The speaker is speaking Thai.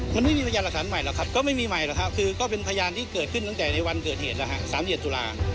มันไม่มีพยานหลักฐานใหม่หรอกครับก็ไม่มีใหม่หรอกครับคือก็เป็นพยานที่เกิดขึ้นตั้งแต่ในวันเกิดเหตุแล้วฮะ๓๗ตุลา